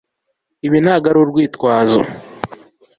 ibyo ntabwo ari urwitwazo